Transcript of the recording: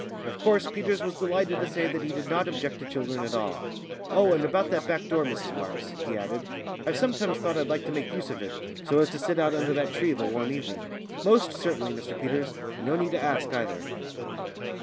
Of course Peters was delighted to say that he did not object to children at all. "Oh, and about that back door, Mrs Marks," he added. "I've sometimes thought I'd like to make use of it, so as to sit out under that tree of a warm evening." "Most certainly, Mr Peters, and no need to ask either."